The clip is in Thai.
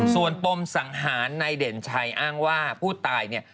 ส่วนปมสังหารในเด่นชัยอ้างว่าผู้ตาย